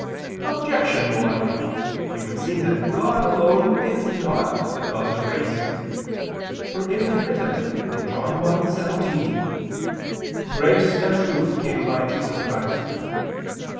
Objection 1: It would seem that God alone is not the cause of grace. For it is written (John 1:17): "Grace and truth came by Jesus Christ."